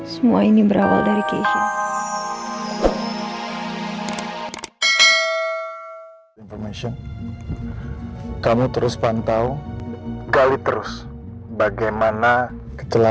semua ini berawal dari kehidupan